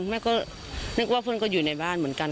แม่ก็นึกว่าเพื่อนก็อยู่ในบ้านเหมือนกัน